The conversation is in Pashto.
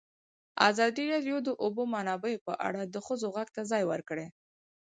ازادي راډیو د د اوبو منابع په اړه د ښځو غږ ته ځای ورکړی.